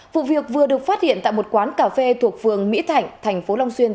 vụ việc vừa được phát hiện tại một quán cà phê thuộc phường mỹ thảnh tp long sơn